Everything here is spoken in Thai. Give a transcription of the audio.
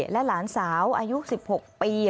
และหลานสาวอายุ๑๖ปี